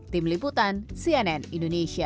tim liputan cnn indonesia